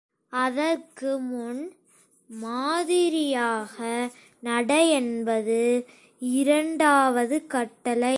அதற்கு முன் மாதிரியாக நட என்பது இரண்டாவது கட்டளை.